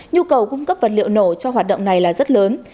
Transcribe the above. nhu cầu cung cấp vật liệu nổ cho hoạt động này là rất lớn